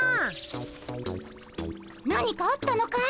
何かあったのかい？